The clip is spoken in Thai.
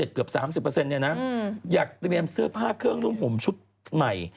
๑๒๙๙๗เกือบ๓๐อยากเตรียมเสื้อผ้าเครื่องรุ่นห่มชุดใหม่